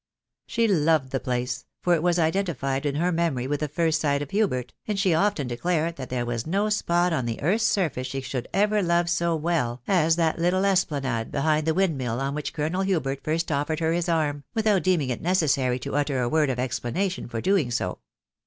She loved the place, for it was identified in her memory with the first sight of Hubert, and she often declared that there was no spot on the earth's surface she should ever love so well as that little esplanade behind the windmill on which Colonel Hubert first offered her his arm, without deeming it necessary to utter a word of explanation for doing so.